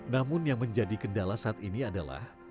namun yang menjadi kendala saat ini adalah